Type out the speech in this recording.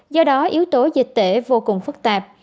do đó yếu tố dịch tễ vô cùng phức tạp